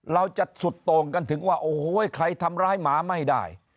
เราจะสุดตรงกันถึงว่าโอ้โหใครทำร้ายหมาไม่ได้